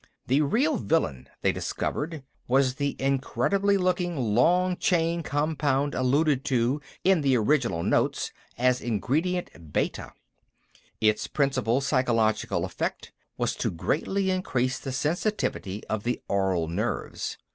The real villain, they discovered, was the incredible looking long chain compound alluded to in the original notes as Ingredient Beta; its principal physiological effect was to greatly increase the sensitivity of the aural nerves.